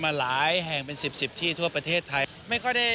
มาหลายแห่งเป็นสิบที่ทั่วประเทศไทย